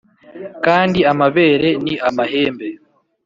kandi amabere ni amahembe.